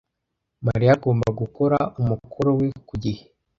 Mariya agomba gukora umukoro we ku gihe.